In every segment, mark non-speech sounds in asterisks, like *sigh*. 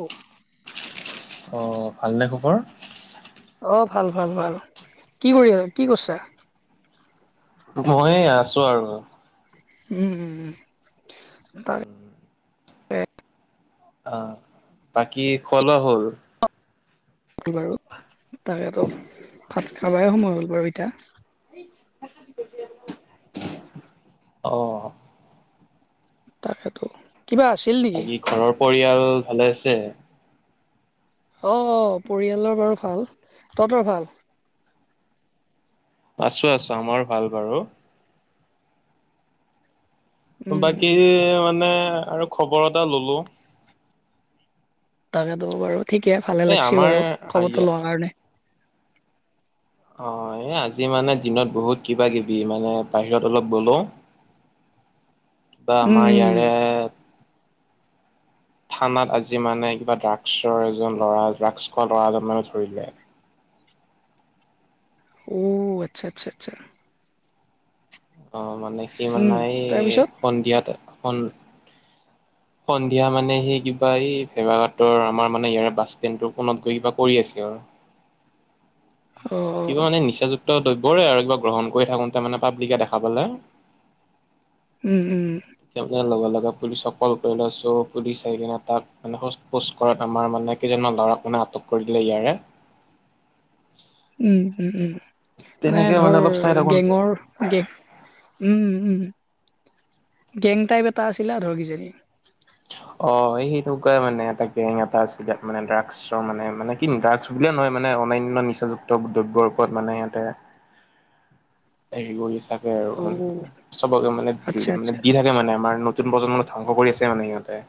অ অ ভালনে খবৰ? অ ভাল ভাল ভাল কি কৰি আ কি কৰছা? মই এ আছো আৰু উম উম উম *inaudible* তাকে আ বাকী খোৱা লোৱা হ'ল? হ'ল বাৰু তাকেতো ভাত খাবাই সময় হ'ল বাৰু এতিয়া *unintelligible* অ তাপাছত ক কিবা আছে বাকী ঘৰৰ পৰিয়াল ভালে আছে? অ অ পৰিয়ালৰ বাৰু ভাল, তহঁতৰ ভাল? আছো আছো আমাৰো ভাল বাৰু উম বাকী উম। মানে আৰু খবৰ এটা ললোঁ তাকেটো বাৰু ঠিকে ভালে এই লাগছে আমাৰ বাৰু খবৰটো ইয়াত লোৱা কাৰণে অ এই আজি মানে দিনত বহুত কিবা-কিবি মানে বাহিৰত অলপ গলুং কিবা আমাৰ উম ইয়াৰে থানাত আজি মানে কিবা ড্ৰাগছৰ এজন ল'ৰা ড্ৰাগছ খোৱা ল'ৰা এজন মানে ধৰিলে। ও আচ্ছা আচ্ছা আচ্ছা অ মানে সি মানে উম এই তাৰপিছত সন্ধিয়াতে সন সন্ধিয়া মানে সেই কিবা এই ভেবাঘাটৰ আমাৰ মানে ইয়াৰে বাছ ষ্টেণ্ডটোত পোনত গৈ কিবা কৰি আছে আৰু অ কিবা মানে নিচাযুক্ত দ্ৰব্যৰে আৰু কিবা গ্ৰহণ কৰি থাকুংতে মানে পাব্লিকে দেখা পালে। উম উম এপিনে লগে লগে পুলিচক ক'ল কৰিলে চ পুলিচ আহিকিনে তাক মানে সোত পুচ ঘৰত আমাৰ মানে কেইজনমান ল'ৰাক মানে আটক কৰি দিলে ইয়াৰে উম উম উম মানে তেনেকে ধৰ অলপ চাই থাকোতে গেঙৰ গেক উম উম উম গেং টাইপ এটা আছিলে আৰু ধৰ কিজানি অ সেই সেনেকুৱাই মান এটা গেং এটা আছিলে মানে ড্ৰাগছৰ মানে মানে ড্ৰাগছ বুলিয়েই নহয় মানে অনান্য নিচাযুক্ত দ্ৰব্যৰ ওপৰত মানে ইহঁতে হেৰি কৰি চাগে অ আৰু চবকে মানে আচ্ছা আচ্ছা মানে দি থাকে মানে আমাৰ ন নতুন প্ৰজন্মক ধ্বংস কৰি আছে মানে সিহঁতে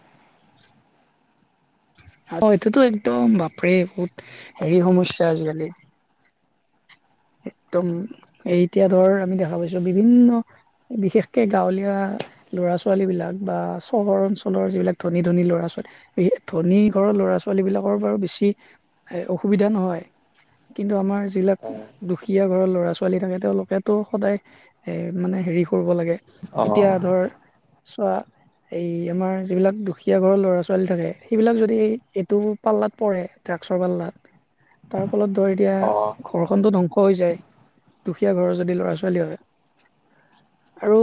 অ এইটোতো একদম বাপৰে বহুত হেৰি সমস্যা আজিকালি একদম এ এতিয়া ধৰ আমি দেখা পাইছো বিভিন্ন বিশেষকে গাঁৱলীয়া ল'ৰা-ছোৱালী বিলাক বা চহৰ অঞ্চলৰ যিবিলাক ধনী ধনী ল'ৰা-ছোৱালী বিশেষ ধনী ঘৰৰ লৰা-ছোৱালী বিলাকৰ বাৰু বেছি অসুবিধা নহয় কিন্তু আমাৰ যিবিলাক দুখীয়া ঘৰৰ ল'ৰা-ছোৱালী থাকে তেওঁলোকেতো সদায় এ মানে হেৰি কৰব লাগে অ এতিয়া ধৰ চৱা এই আমাৰ যিবিলাক দুখীয়া ঘৰৰ ল'ৰা-ছোৱালী থাকে সেইবিলাক যদি এইটো পাল্লাত পৰে, তাক *unintelligible* ড্ৰাগছৰ পাল্লাত। তাৰ ফলত ধৰ এতিয়া অ ঘৰখনটো ধং *unintelligible* ধ্বংস হৈ যায়। দুখীয়া ঘৰৰ যদি ল'ৰা-ছোৱালী হয়। *unintelligible* আৰু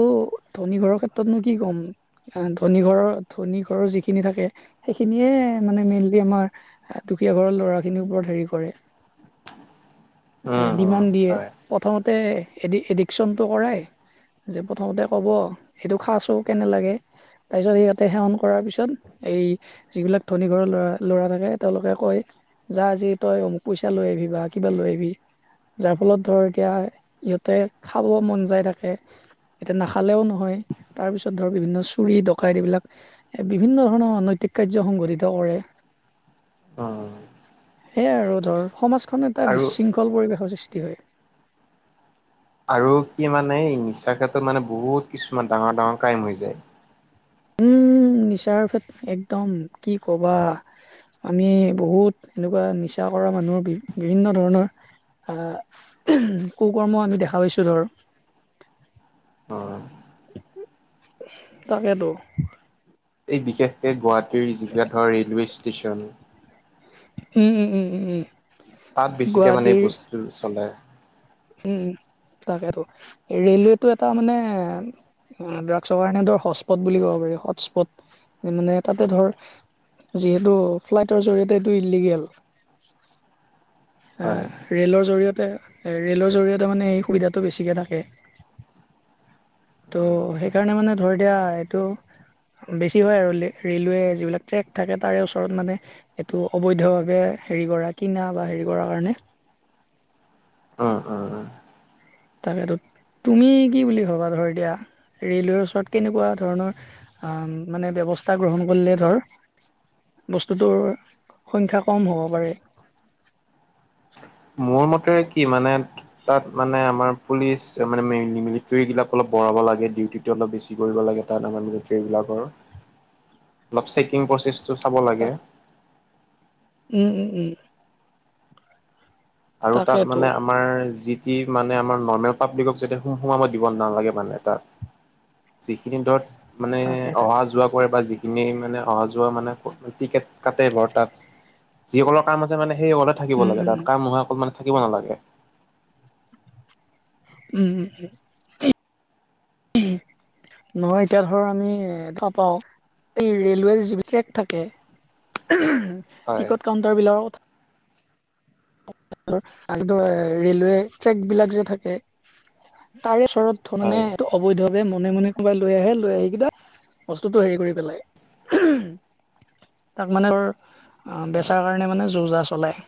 ধনী ঘৰৰ ক্ষেত্ৰতনো কি ক'ম। *inaudible* আহ *unintelligible* ধনী ঘৰৰ, ধনী ঘৰৰ যিখিনি থাকে সেইখিনিয়ে মানে মেইনলি আমাৰ আহ দুখীয়া ঘৰৰ ল'ৰাখিনি ওপৰত হেৰি কৰে। *unintelligible* উম উম ডিমাণ্ড দিয়ে। হয় প্ৰথমতে এডি-এডিকশ্বণটো কৰাই *inaudible* যে প্ৰথমতে ক'ব এইটো খা চোন কেনে লাগে। *unintelligible* তাৰ পিছত সিহঁতে সেৱন কৰাৰ পিছত এই *unintelligible* যিবিলাক ধনী ঘৰৰ ল'ৰা-ল'ৰা থাকে তেওঁলোকে কয় *inaudible* যা আজি তই অমুক পইচা লৈ আহিবি বা কিবা লৈ আহিবি। *unintelligible* যাৰ ফলত ধৰ এতিয়া ইহঁতে খাব মন যায় থাকে। *unintelligible* এতিয়া নাখালেও নহয়। তাৰ পিছত ধৰ বিভিন্ন চুৰি, ডকাইত এইবিলাক *inaudible* এ *unintelligible* বিভিন্ন ধৰণৰ অনৈতিক কাৰ্য সংঘটিত কৰে। অঁ। সেয়াই আৰু ধৰ সমাজখন এটা আৰু বিশৃংখল পৰিৱেশৰ সৃষ্টি হয়। *inaudible* আৰু কি মানে এই নিচাৰ ক্ষেত্ৰত মানে বহুত কিছুমান ডাঙৰ-ডাঙৰ ক্ৰাইম হৈ যায়। *inaudible* উম! নিচাৰ ক্ষেত্ৰত একদম কি কবা। *unintelligible* আমি বহুত এনেকুৱা নিচা কৰা মানুহৰ *unintelligible* বি-বিভিন্ন ধৰণৰ আহ *unintelligible* কু-কৰ্ম আমি দেখা পাইছোঁ ধৰ। অঁ *inaudible* *unintelligible* তাকেতো। এই বিশেষকে গুৱাহাটীৰ *unintelligible* ধৰ ৰেলৱেই ষ্টেচন। *inaudible* উম-উম-উম-উম-উম। *inaudible* তাত বেছিকে মানে বস্তুটো চলে। *inaudible* উম-উম তাকেতো। ৰেলৱেটো এটা মানে *unintelligible* উম *unintelligible* ড্ৰাগছৰ কাৰণেটো হস্পট বুলি কব পাৰি, হটস্পট মানে তাতে ধৰ *inaudible* যিহেতু ফ্লাইটৰ জৰিয়তে এইটো ইল্লিগেল। *unintelligible* হয় আহ *inaudible* ৰে'লৰ জৰি়য়তে, ৰে'লৰ জৰিয়তে মানে এই সুবিধাটো বেছিকে থাকে। ত' উম সেইকাৰণে মানে ধৰ দিয়া এইটো *unintelligible* বেছি হয় আৰু লে-ৰে'লৱে যিবিলাক ট্ৰেক থাকে তাৰে ওচৰত মানে *inaudible* এইটো অবৈধভাৱে হেৰি কৰা, কিনা বা হেৰি কৰা কাৰণে। *inaudible* অঁ-অঁ-অঁ। *inaudible* তাকেতো। তুমি কি বুলি ভাবা ধৰ এতিয়া ৰেলৱেৰ ওচৰত কেনেকুৱা ধৰণৰ *unintelligible* আহ *unintelligible* মানে ব্যৱস্থা গ্ৰহণ কৰিলে ধৰ বস্তুটোৰ সংখ্যা কম হ'ব পাৰে। *unintelligible* মোৰ মতে কি মানে তাত মানে আমাৰ পুলিচ মানে *unintelligible* মিলিত্ৰিবিলাক অলপ বঢ়াব লাগে ডিউটিত। ডিউটি অলপ বেছি কৰিব লাগে, তাত আমাৰ মিলিত্ৰী বিলাকৰ অলপ চেকিং প্ৰচেছটো *unintelligible* চাব লাগে। *inaudible* উম-উম-উম। আৰু তাত তাকেতো মানে আমাৰ যি *inaudible* যি মানে আমাৰ নৰ্মেল পাব্লিকক যাতে সো-সোমাব দিব নালাগে মানে তাত। *unintelligible* যিখিনি ধৰ মানে তাকে তাকে অহা-যোৱা কৰে বা যি *unintelligible* এনেই মানে অহা-যোৱা মানে টিকেট কাটে বৰ তাত যিসকলৰ কাম আছে মানে সেই সকলে *unintelligible* থাকিব উম, লাগে উম, তাত কাম নোহোৱা অকণমান থাকিব নালাগে। উম, উম, উম, উম, উম। নহয় এতিয়া ধৰ আমি এ, দেখা পাওঁ। এই ৰেলৱে যিব ট্ৰেক থাকে। হয় টিকট কাউন্টাৰ বিলাকত আৰু তোমাৰ ৰেলৱে ট্ৰেক বিলাক যে থাকে, তাৰে ওচৰত ঠো মানে হয় ত, অবৈধভাৱে মনে মনে কোনবাই লৈ আহে লৈ আহি কিদা বস্তুটো হেৰি কৰি পেলাই তাক মানে আ, হয় বেচাৰ কাৰণে মানে যো যা চলায়।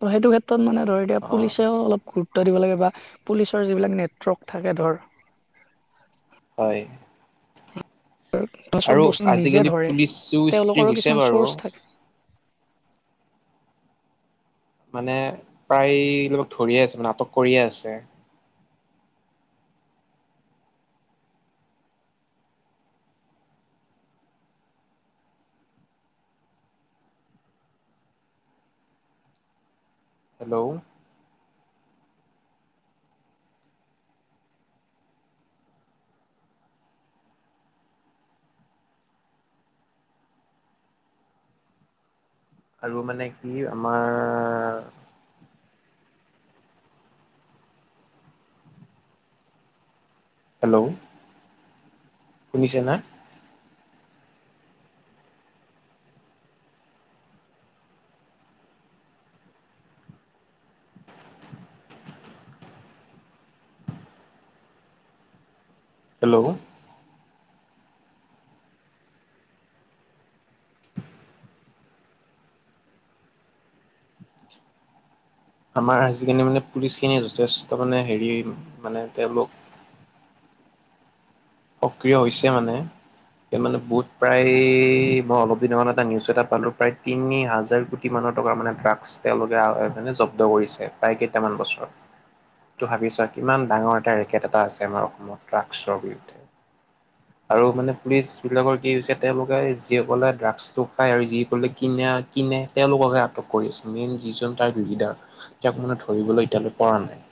ত' সেইটো ক্ষেত্ৰত মানে ধৰ এতিয়া অ পুলিচেও অলপ গুৰু গুৰত্ব দিব লাগে বা পুলিচৰ যিবিলাক নেটৱৰ্ক থাকে ধৰ হয় আৰু চব বস্তু নিজে আজিকালি ধৰে পুলিচো ষ্ট্ৰিক তেওঁলোকৰো হৈছে কিছুমান বাৰু চৰ্চ থাকে মানে প্ৰায় লগ ধৰিয়ে আছে নাটক কৰিয়ে আছে। হেল্ল' আৰু মানে কি আমাৰ হেল্ল' শুনিছে না *unintelligible* হেল্ল' আমাৰ আজিকালি মানে পুলিচখিনি যথেষ্ট মানে হেৰি মানে তেওঁলোক সক্ৰিয় হৈছে মানে মানে বহুত প্ৰায় মই অলপ দিনৰ আগতে এটা নিউজ এটা পালো প্ৰায় তিনি হাজাৰ মানৰ টকাৰ মানে ড্ৰাগছ তেওঁলোকে আহ মানে জব্দ কৰিছে প্ৰায় কেইটামান বছৰত তটো ভাবিছোৱা কিমান ডাঙৰ এটা ৰেকেট এটা আছে আমাৰ অসমত ট্ৰাগছৰ বিৰুদ্ধে আৰু মানে পুলিচ বিলাকৰ কি হৈছে তেওঁলোকে যিসকলে ড্ৰাগছটো খায় আৰু যিসকলে কিনে কিনে তেওঁলোককহে আটক কৰি আছে মেইন যিজন ট্ৰাক লিডাৰ তেওঁক মানে ধৰিবলৈ এতিয়ালৈ পৰা নাই।